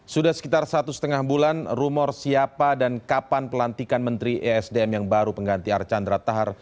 sudah sekitar satu setengah bulan rumor siapa dan kapan pelantikan menteri esdm yang baru pengganti archandra tahar